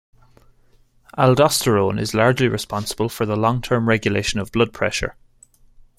Aldosterone is largely responsible for the long-term regulation of blood pressure.